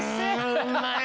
うまい！